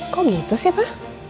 kok gitu sih pa